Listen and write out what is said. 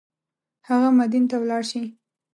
هغه مدین ته ولاړ شي.